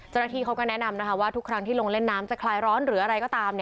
เจ้าหน้าที่เขาก็แนะนำนะคะว่าทุกครั้งที่ลงเล่นน้ำจะคลายร้อนหรืออะไรก็ตาม